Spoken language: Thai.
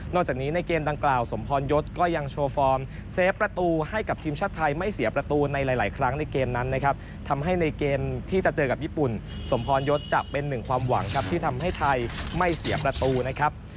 จากนี้ในเกมดังกล่าวสมพรยศก็ยังโชว์ฟอร์มเซฟประตูให้กับทีมชาติไทยไม่เสียประตูในหลายครั้งในเกมนั้นนะครับทำให้ในเกมที่จะเจอกับญี่ปุ่นสมพรยศจะเป็นหนึ่งความหวังครับที่ทำให้ไทยไม่เสียประตูนะครับ